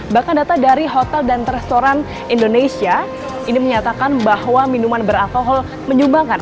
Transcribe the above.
bahkan data dari hotel dan restoran indonesia ini menyatakan bahwa minuman beralkohol menyumbangkan